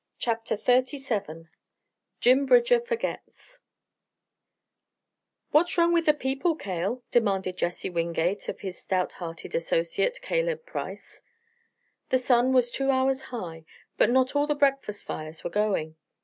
CHAPTER XXXVII JIM BRIDGER FORGETS "What's wrong with the people, Cale?" demanded Jesse Wingate of his stouthearted associate, Caleb Price. The sun was two hours high, but not all the breakfast fires were going.